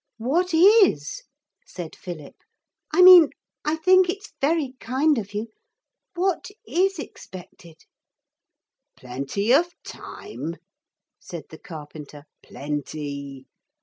What is?' said Philip. 'I mean I think it's very kind of you. What is expected?' 'Plenty of time,' said the carpenter, 'plenty.